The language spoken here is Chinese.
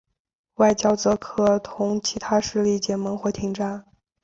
外交则可同其他势力结盟或停战。